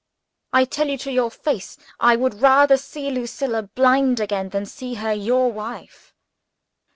I tell you to your face, I would rather see Lucilla blind again than see her your wife."